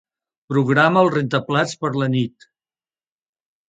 Programa el rentaplats per a la nit.